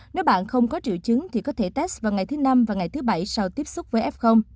nếu bạn không có triệu chứng thì có thể test vào ngày thứ năm và ngày thứ bảy sau tiếp xúc với f